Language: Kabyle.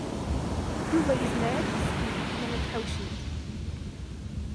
Yuba yezmer ad yesken i Ḥemmama Taḥawcint.